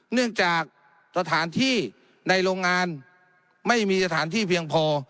เนื่องจากสถานที่ในโรงงานไม่มีสถานที่เพียงพอ